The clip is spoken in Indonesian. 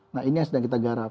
nah ini yang sedang kita garap